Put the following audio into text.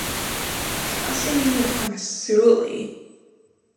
kasi ni li kama suli.